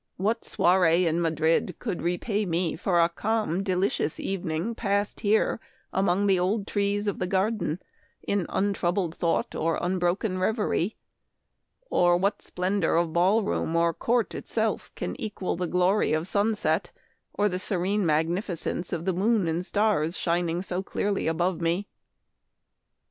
What soiree in Madrid could repay me for a calm, delicious evening passed here among the old trees of the garden, in untroubled thought or unbroken reverie ? or what splendor of ball room or court itself can equal the glory of sun set or the serene magnificence of the moon and stars shining so clearly above me